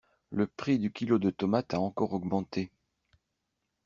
Le prix du kilo de tomates a encore augmenté.